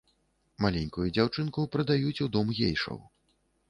Маленькую дзяўчынку прадаюць у дом гейшаў.